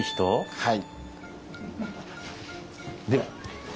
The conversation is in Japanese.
はい。